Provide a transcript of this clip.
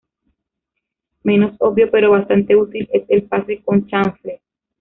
Menos obvio pero bastante útil es el pase con chanfle.